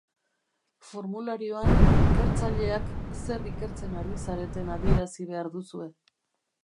Formularioan, ikertzaileak zer ikertzen ari zareten adierazi behar duzue.